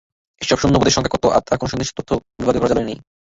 এসব শূন্য পদের সংখ্যা কত, তার কোনো সুনির্দিষ্ট তথ্য বিভাগীয় কার্যালয়ে নেই।